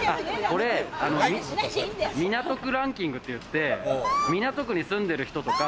これ港区ランキングっていって、港区に住んでる人とか。